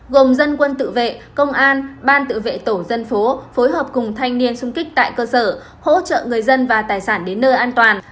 gồm dân quân tự vệ công an ban tự vệ tổ dân phố phối hợp cùng thanh niên xung kích tại cơ sở hỗ trợ người dân và tài sản đến nơi an toàn